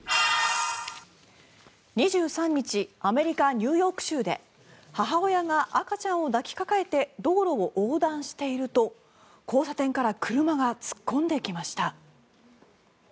２３日アメリカ・ニューヨーク州で母親が赤ちゃんを抱きかかえて道路を横断していると交差点から車が突っ込んできました。